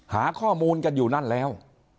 หาข้อมูลกันอยู่นั่นแล้ว